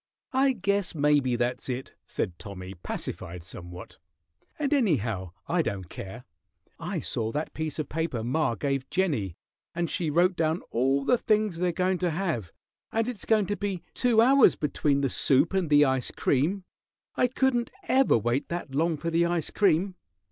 "I guess maybe that's it," said Tommy, pacified somewhat. "And anyhow, I don't care. I saw that piece of paper ma gave Jennie, and she wrote down all the things they're goin' to have, and it's goin' to be two hours between the soup and the ice cream. I couldn't ever wait that long for the ice cream.